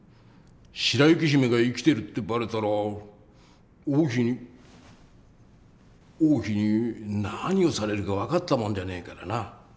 白雪姫が生きてるってバレたら王妃に王妃に何をされるか分かったもんじゃねえからな。